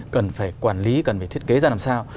cần phải quản lý cần phải thiết kế ra làm sao